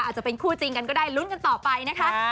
อาจจะเป็นคู่จริงกันก็ได้ลุ้นกันต่อไปนะคะ